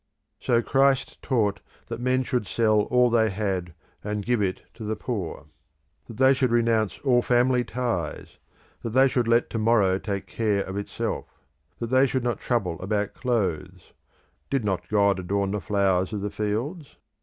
So Christ taught that men should sell all that they had and give to the poor; that they should renounce all family ties; that they should let to morrow take care of itself; that they should not trouble about clothes: did, not God adorn the flowers of the fields?